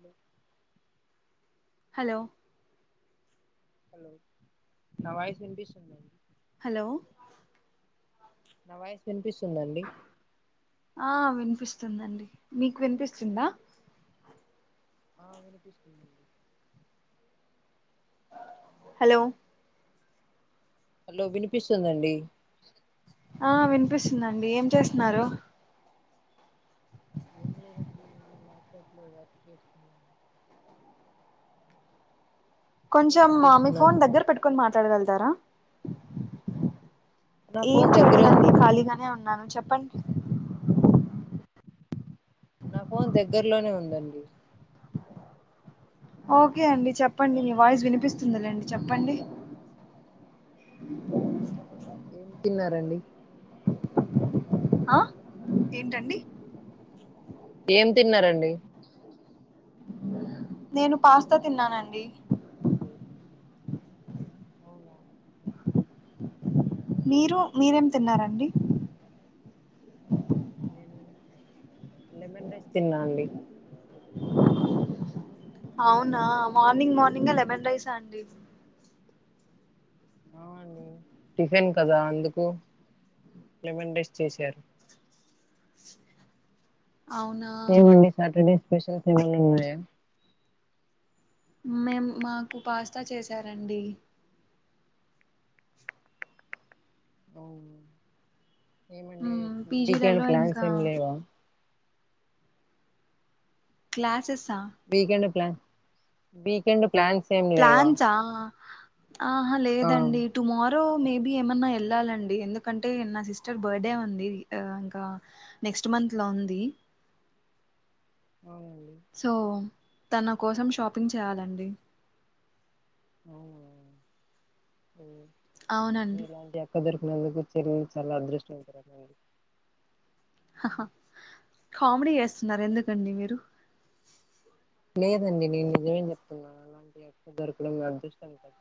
మ [inaudible] హలో నా వాయిస్ ఇనిపిస్తుందా హలో నా వాయిస్ వినిపిస్ స్తుందండి ఆ వినిపిస్తుందండి మీకు వినిపిస్తుందా ఆ అనిపిస్తుందండి హలో హలో వినిపిస్తుందండి ఆ వినిపిస్తుందండి ఏం చేస్తున్నారు ఏముంలెదండి ఏ ల్యాప్టాప్ లో వర్క్ చేసుకో కొంచం మీరేం మా మీ చేస్తున్నారు ఫోన్ దగ్గర పెట్టుకొని మాట్లాడగలుగుతారా నా ఏం ఫోన్ దగ్గరే చెయలేదండి ఉందండి ఖాళీగానే ఉన్నాను చెప్ప ప్పం నా ఫోన్ దగ్గరలోనే ఉందండి ఓకే అండి చెప్పండి మీ వాయిస్ వినిపిస్తుందిలేండి చెప్పండి ఏం తిన్నారండి ఆ ఏంటండి ఏం తిన్నారండి నేను పాస్తా తిన్నానండి అవునా మీరు మీరేం తిన్నారండి నేను లెమన్ రైస్ తిన్నా అండి అవునా మార్నింగ్ మార్నింగ్ లెమన్ రైస్ అండి అవుండి టిఫిన్ కదా అందుకు లెమండేస్ చేసారు అవునా ఏ మండే సాటర్డే ఫెషల్స్ ఏమైన ఉన్నాయా మేం మాకు పాస్తా చేసారండి అవు ఏమండి మ్మ్ వీకెండ్ పీజీలలో ప్లాన్స్ ఇంకా ఏం లేవా క్లాసెస్ వీకెండ్ పాన్ వీకెండ్ ప్లాన్స్ ఏం లేవా ప్లాన్సా ఆ ఆహా ఆ లేదండి టుమారో రో మేబి ఏమన్నా వెళ్ళాలండి ఎందుకంటే నా సిస్టర్ బర్త్డే ఉంది ఇంకా నెక్ట్స్ మంత్ లో ఉంది అవునండి సో తన కోసం షాపింగ్ చేయాలండి ఆ అవునండి మీలాంటి అక్క దొరికినందుకు చెల్లిలి చాలా అదృష్టవంతురాలు అండి అహ కామెడీ చేస్తున్నారు ఎందుకండి మీరు లేదండి నేను నిజమే చెప్తున్నాను అలాంటి అక్క దొరకడం అదృష్టం కదా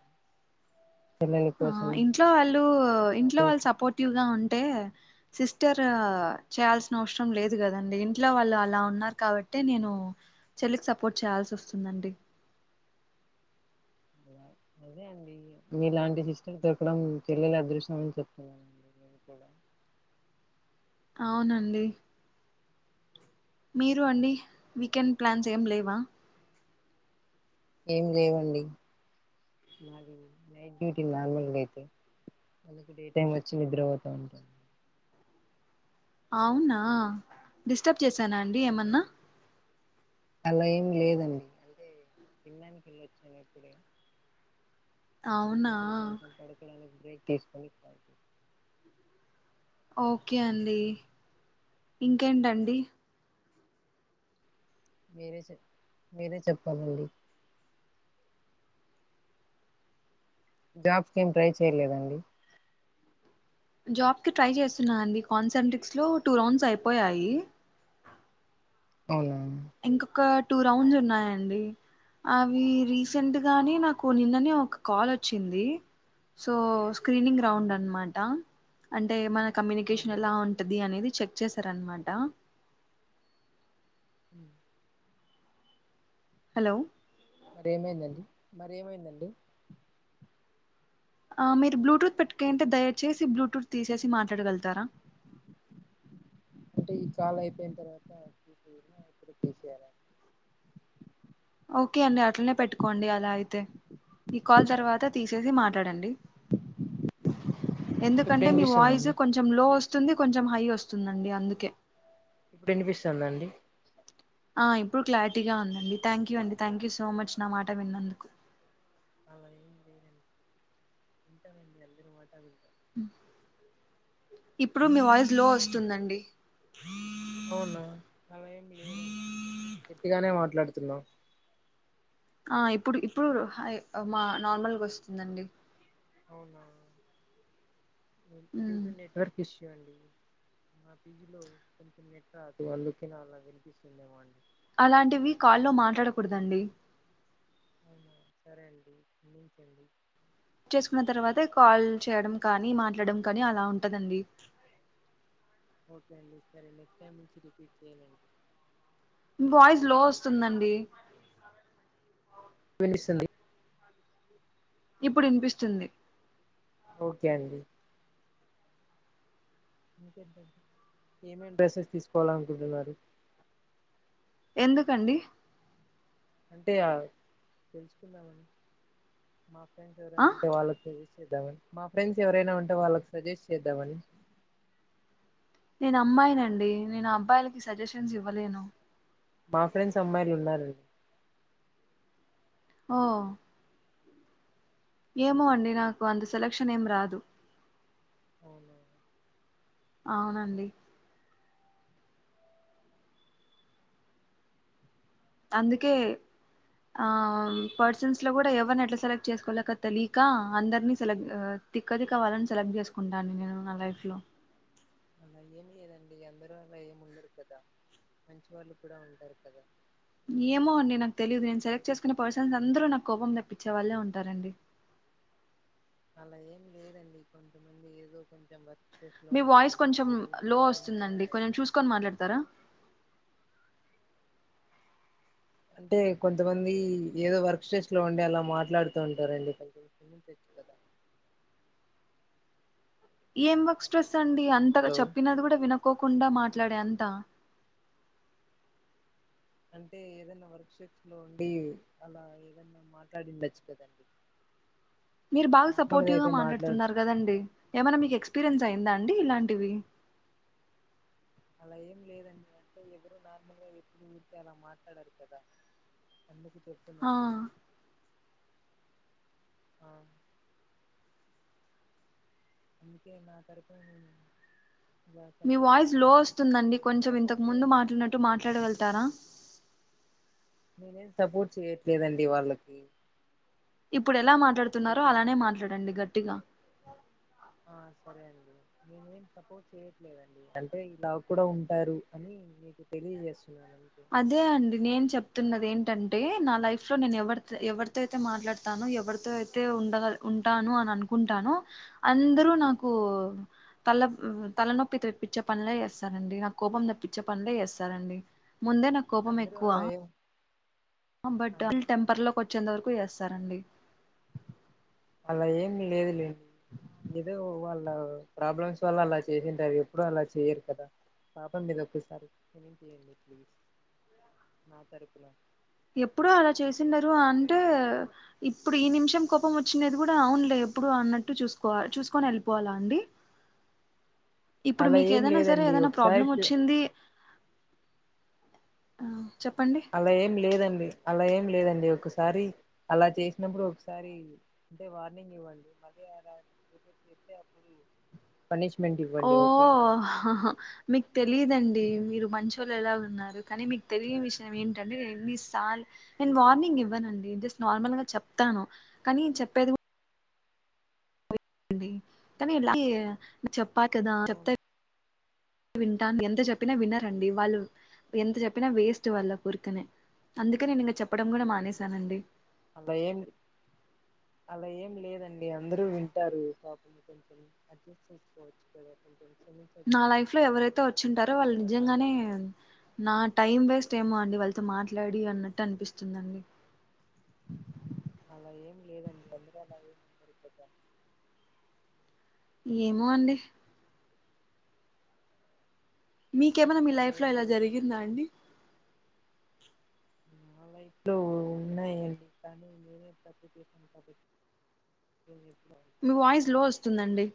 చెల్లెల ఆ కోసం ఇంట్లో వాళ్ళు ఇంట్లో షాపింగ్ వాళ్ళు కోసం సపోర్టివ్ గా ఉంటే సిస్టర్ చేయాల్సిన అవసరం లేదు కదండి ఇంట్లో వాళ్ళు అలా ఉన్నారు కాబట్టి నేను చెల్లికి సపోర్ట్ చేయాల్సి వస్తుందండి అలా అదే అండి మీలాంటి సిస్టర్ దొరకడం చెల్లెల అదృష్టం అని చెప్తున్నానండి నేను కూడా అవునండి మీరు అండి వీకెండ్ ప్లాన్ ఏం లేవా ఏమి లేవండి నాది నైట్ డ్యూటీ నార్మల్ గా అయితే అందుకు డే టైమ్ వచ్చి నిద్రపోతా ఉంటా అవునా డిస్టర్బ్ చేసానా అండి ఏమన్నా అవునండి అలా ఏం లేదండి అంటే తినడానికి వెళ్లొచ్చాను ఇప్పుడే అవునా మీజప్పుడు కొంచెం పడుకోడానికి బ్రేక్ తీసుకొని పడుకో ఓకే అండి ఇంకేంటండి మీరే చెప మీరే చెప్పాలండి జాబ్స్ కి ఏం ట్రై చేయలేదా అండి జాబ్ కి ట్రై చేస్తున్నా అండి కాన్సెంట్రిక్స్ లో టూ రౌండ్స్ అయిపోయాయి అవునా ఇంకొక టూ రౌండ్స్ ఉన్నాయండి అవి రీసెంట్గానే నాకు నిన్ననే ఒక కాల్ వచ్చింది సో స్క్రీనింగ్ ఆ! రౌండ్ అనమాట అంటే మన కమ్యూనికేషన్ ఎలా అవునండి ఉంటది అనేది చెక్ చేసారనమాట హలో మరి ఏమైందండి మరి ఏమైందండి ఆ మీరు బ్లూటూత్ పెట్కొయింటే దయచేసి బ్లూటూత్ తీసేసి మాట్లాడగలుగుతారా. అంటే ఈ కాల్ అయిపోయిన తర్వాత ఇక్కడ [unintelligible] పేస్ట్ చేయాల ఓకే అండి అట్లనే పెట్టుకోండి అలా అయితే ఈ కాల్ తర్వాత తీసేసి మాట్లాడండి ఇప్పుడు ఎందుకంటే మీ వాయిస్ వినిపిస్తుందండి కొంచెం లో వస్తు స్తుంది కొంచెం హై వస్తుందండి అందుకే ఇప్పుడు వినిపిస్తుంద అండి ఆ ఇప్పుడు క్లారిటీగా ఉందండి థాంక్యూ అండి థాంక్యూ సో మచ్ నా మాట విన్నందుకు. అలా ఏం లేదండి వింటము అండి అందరి మాట వింట ఇప్పుడు మీ వాయిస్ లో వస్తుందండి. అవునా అలా ఏం లేదండి గట్టిగానే మాట్లాడుతున్నా. ఆ ఇప్పుడు ఇప్పుడు హాయ్ మా నార్మల్గా వస్తుందండి. అవునా due um to network issue okay అండి మా పి జి లో కొంచెం నెట్ రాదు అందుకే అలగ వినిపిస్తుందేమో అండి. అలాంటివి కాల్ లో మాట్లాడకూడదండి. అవునా సరే అండి మన్నించండి. చేసుకున్న తర్వాత కాల్ చేయడం కానీ మాట్లాడడం కానీ అలా ఉంటందండి. ఓకే అండి సరే నెక్స్ట్ టైమ్ నుంచి రిపీట్ చెయ్యనండి. మీ వాయిస్ లో వస్తుందండి. వినిపిస్తుంది ఇప్పుడు వినిపిస్తుంది ఓకే అండి ఇంకేంటండి ఏమేం డ్రెస్సెస్ తీసుకోవాలనుకుంటున్నారు. ఎందుకండీ అంటే ఆ తెలుసుకుందామని మా ఫ్రెండ్స్ ఆ ఎవరైనా ఉంటే వాళ్లకి తెలుసు చేద్దామని మా ఫ్రెండ్స్ ఎవరైనా ఉంటే వాళ్లకి సజెస్ట్ చేద్దామని నేను అమ్మాయినండి నేను అబ్బాయిలకి సజెషన్స్ ఇవ్వలేను. మా ఫ్రెండ్స్ అమ్మాయిలు ఉన్నారండి. ఓ.. ఏమో అండి నాకు అంత సెలక్షన్ ఏం రాదు. అవునా అవునండి అందుకే ఆమ్ పర్సన్స్ లో కూడా ఎవరిని ఎలా సెలెక్ట్ చేసుకోవాలో తెలియక అందవర్ని సెలెక్ట్ తిక్క తిక్క వాళ్ళని సెలెక్ట్ చేసుకుంటానండి నేను నా లైఫ్ లో. అలా ఏం లేదండి. అందరూ అలా ఏం ఉండరు కదా మంచి వాళ్ళు కూడా ఉంటారు కదా. ఏమో అండి నాకు తెలీదు నేను సెలెక్ట్ చేసుకునే పర్సన్స్ అందరూ నాకు కోపం తెప్పించే వాళ్లే ఉంటారండి. అలా ఏం లేదండి కొంతమంది ఏదో కొంచెం వర్క్ స్ట్రెస్ లో మీ వాయిస్ ఉంటారు కొంచెం ఏదో ఒకటి లో ప్రాబ్లమ్స్ వస్తుందండి ఉంటారు కొంచెం చూసుకొని మాట్లాడతారా. అంటే కొంతమంది ఏదో వర్క్ స్ట్రెస్ లో ఉండే అలా మాట్లాడుతుంటారండీ. కొంచెం కరుణించి వచ్చు కదా ఏం వర్క్ స్ట్రెస్ స్ అండి అంతగా హలో చెప్పినా కూడా వినకుం. కోకుండా మాట్లాడే అంత అంటే ఏదైనా వర్క్ స్ట్రెస్ లో ఉండి అలా ఏదైనా మాట్లాడి ఉండొచ్చు కదా అండి. మీరు బాగా సపోర్టివ్గా మాట్లాడుతున్నారు కదండి ఏమైనా మీకు ఎక్స్పీరియన్స్ అయి్యందా అండి అల్ ఇలాంటివి అలా ఏం లేదండి అంటే ఎవరు నార్మల్గా ఎతుకి ఉతే అలా మాట్లాడారు కదా అందుకు ఆ చెతున్నాద అందుకే నా తరకు మీ వాయిస్ లో వస్తుందండి కొంచెం సపోర్ట్ ఇంతకు చే ముందు మాట్లాన్నట్టు మాట్లాడ వెళ్తారా నేనేం సపోర్ట్ చేయ్యట్లేదండి వాళ్ళకి ఇప్పుడు ఎలా మాట్లాడుతున్నారో ఓకేనా అలానే మాట్లాడండి గట్టిగా ఆ సరే అండి నేనే ఏం సపోర్ట్ చేయట్లేదండి అంటే ఇలా కూడా ఉంటారు అని మీకు తెలియజేస్త అదే అండి నేను చెప్తున్నది ఏంటి ఏంటంటే నా లైఫ్ లో నేను ఎవరి ఎవరితో అయితే మాట్లాడతాను ఎవరితో అయితే ఉండగ ఉంటాను అని అనుకుంటాను అందరూ నాకు తల తలనొప్పి తెప్పించే పనులే చేస్తారండి నా కోపం తెప్పించే పనులే చేస్తారండి ముందే నాకుకోపం అందరూ ఎక్కువ అలా ఏం బట్ అన్- టెంపర్ లో కో చింతవరకు ఏస్తారండి అలా ఏం లేదులేండి ఏదో వాళ్ళ ప్రాబ్లమ్స్ వల్ల అలా చేసింటారు ఎప్పుడూ అలా చేయరు కదా పాపం మీద ఒక్కసారి ఏంటిడి ప్లీజ్ మా తరపున ఎప్పుడు అలా చేసిండరు అంటే ఇప్పుడు ఈ నిమిషం కోపం వచ్చినది కూడా అవునులే ఎప్పుడు అన్నట్టు చూసుకో చూసుకొని వెళ్ళిపోవాలా అండి ఇప్పుడు అలా మీకు ఏం ఏదైనా సరే లేదండి ఏదైనా ప్రాబ్లం ఒకసారి వచ్చింది ఆ చెప్పండి అలా ఏం లేదండి అలా ఏం లేదండి ఒకసారి అలా చేసినప్పుడు ఒకసారి అంటే వార్నింగ్ ఇవ్వండి మళ అ చెస్తే అప్పుడు పనిష్మెంట్ ఓ ఇవ్వండి ఓకేనా మీకు తె తెలిదండి మీరు మంచిోళ్ళు ఎలా ఉన్నారు కానీ మీకు తెలియని విషయం ఏంటంటేే ఎన్నిసార్లు నేను వార్నింగ్ ఇవ్వనండి జస్ట్ నార్మల్గా చెప్తాను కానీ చెప్పేది కూడా డి కానీలా చె పాకదా అవును చెప్తా వింటాను ఎంత చెప్పినా వినరండి వాళ్ళు ఎంత చెప్పినా వేస్ట్ వాళ్ళ పర్కనే అందుకే నేను ఇంక చెప్పడం కూడా మానేశానండి అలా ఏం అలా ఏం లేదండి అందరూ వింటారు షాపని కొంచెం అడ్జస్ట్ చేసుకోవచ్చు కదా కొంచెం క్షమించవచ్చు నా లైఫ్ లో ఎవరైతే వచ్చింటారో వాళ్ళు కదా నా నిజంగానే తరపున నా టైం వేస్ట్ ఏమో అండి వాళ్ళు మాట్లాడి అన్నట్టు అనిపిస్తుందండి అలా ఏం లేదండి అందరూ అలా ఏమిందరిపోత ఏమో అండి మీకేమైనా మీ అలా లైఫ్ లో ఏం ఇలా లేదండి జరిగిందా అండి నా వైపులో ఉన్నాయండీ కానీ నేనె మీ వాయిస్ లో వస్తుందండి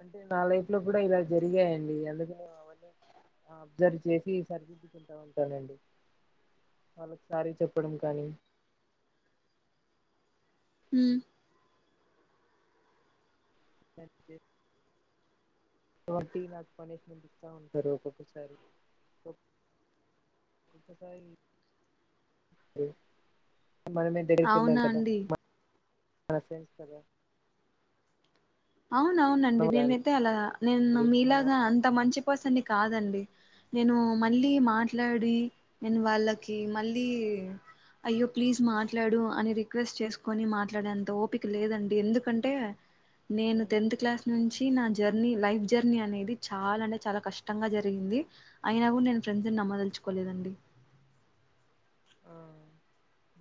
అంటే నా లైఫ్ లో కూడా ఇలా జరిగాయండి అందుకని అవన్నీ అబ్జర్వ్ చేసి సరిదిద్దుకుంట ఉంటానండి వాళ్ళకి సారి చెప్పడం కానీ మ్ [inaudible] కాబట్టి నాకు పనిష్మెంట్ ఇస్తా ఉంటారు ఒక్కొక్కసారి ఒక్కో మనమే దగ్గరకి వెళ్ళాలి అవునా కదా అండి ప్రసేస్ కదా అవునవునండి నేనైతే అలా నేను మన మీలాగా అంత మంచి పర్సన్ ని కాదండి నేను మళ్ళీ మాట్లా కిట్లాడి నెను వాళ్ళకి మళ్ళీ అయ్యో ప్లీజ్ మాట్లాడు అని రిక్వెస్ట్ చేసుకొని మాట్లాడే అంత ఓపిక లేదండి ఎందుకంటే నేను టెన్త్ క్లాస్ నుంచి ఇది నా జర్నీ లైఫ్ జర్నీ అనేది చాలా అంటే చాలా కష్టంగా జరిగింది అయినా కూడా నేను ఫ్రెండ్స్ నమ్మదలుచుకోలేదండి ఆ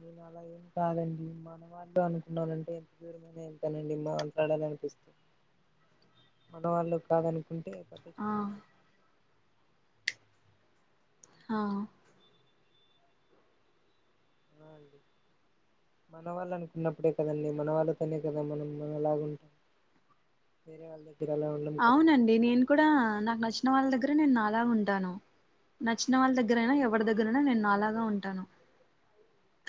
నేను అలా ఏం కాదండి మన వాళ్ళు అనుకున్నానంటే ఎంత దూరమైనా వెళ్తానండి మా మాట్లాడాలనిపిస్తే మన వాళ్ళు కాదనుకుంటే ఆ పట్టిచ్చుకొనండి హా అండి మన వాళ్ళు అనుకున్నప్పుడే కదండి మన వాళ్ళతోనే కదా మనం మనంలాగుంటాం వేరే వాళ్ళ దగ్గర అలా ఉండం కదండి అవునండి నేను కూడా నాకు నచ్చిన వాళ్ళ దగ్గర నేను నాలా ఉంటాను నచ్చిన వాళ్ళ దగ్గరయిన ఎవరి దగ్గరయిన నేను నాలాగా అవునండి ఉంటాను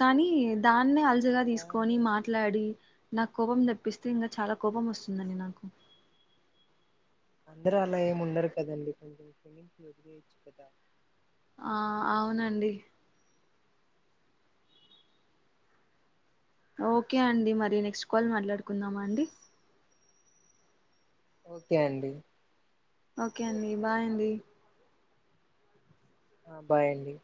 కానీ దాన్నే అలుసుగా తీసుకొని అలానే మాట్లాడి నాకు కోపం తెప్పిస్తే ఇంకా చాలా కోపం వస్తుందండి నాకు అందరూ అలా ఏమి ఉండరు కదండి కొంచెం క్షమించి వదిలేయచ్చు కదా ఆ అవునండి ఓకే అండి మరి నెక్స్ట్ కాల్ మాట్లాడుకుందామా అండి ఒకే అండి ఓకే అండి బాయండి ఆ బాయండి